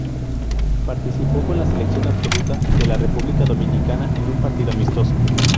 Participó con la selección absoluta de la República Dominicana en un partido amistoso.